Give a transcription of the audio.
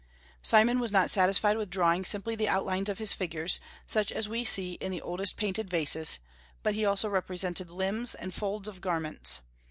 Cimon was not satisfied with drawing simply the outlines of his figures, such as we see in the oldest painted vases, but he also represented limbs, and folds of garments.